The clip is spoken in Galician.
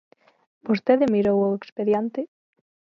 ¿Vostede mirou o expediente?